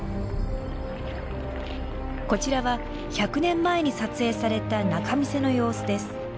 こちらは１００年前に撮影された仲見世の様子です。